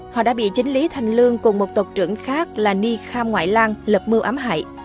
họ đã bị chính lý thành lương cùng một tộc trưởng khác là ni kham ngoại lan lập mưu ám hại